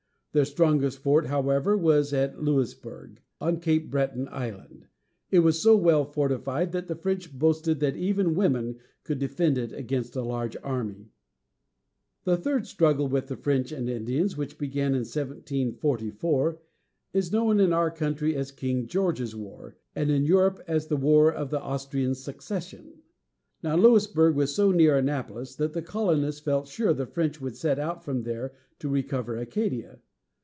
Their strongest fort, however, was at Lou´is burg, on Cape Breton Island. It was so well fortified that the French boasted that even women could defend it against a large army. [Illustration: NORTH AMERICA BEFORE THE FRENCH AND INDIAN WAR] The third struggle with the French and Indians, which began in 1744, is known in our country as "King George's War," and in Europe as the "War of the Austrian Succession." Now, Louisburg was so near Annapolis that the colonists felt sure the French would set out from there to recover Acadia.